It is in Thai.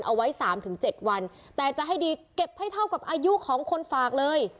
เอาไว้๓๗วันแต่จะให้ดีเก็บให้เท่ากับอายุของคนฝากเลย